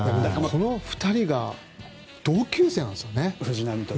この２人が同級生なんですよね。